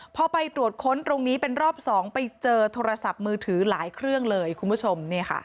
พอไปตรวจค้นตรงนี้เป็นรอบ๒ไปเจอโทรศัพท์มือถือหลายเครื่องเลยคุณผู้ชม